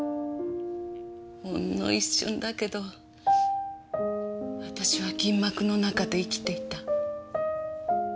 ほんの一瞬だけど私は銀幕の中で生きていた。